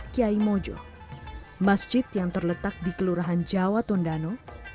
kampung jawa tondano